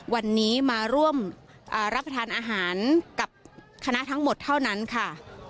วันนี้มาร่วมรับประทานอาหารกับคณะทั้งหมดเท่านั้นค่ะ